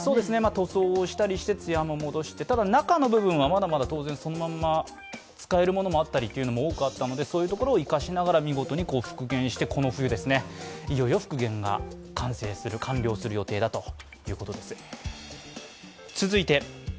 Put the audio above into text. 塗装をしたりして、つやも戻してただ、中の部分はまだまだそのまま使えるものも多くあったので、そういうところを生かしながら見事に復元してこの冬、いよいよ復元が完了する予定だということです。